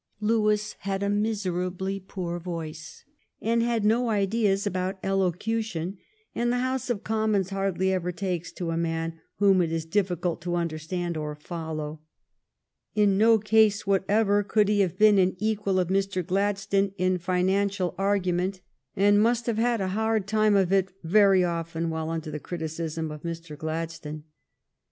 Lewis had a miserably poor voice, and had no ideas about elocution, and the House of Commons hardly ever takes to a man whom it is difficult to understand or follow. In no case whatever could he have been an equal of Mr. Gladstone in financial argument, and he I90 THE STORY OF GLADSTONE'S LIFE must have had a hard time of it very often while under the criticism of Mr. Gladstone.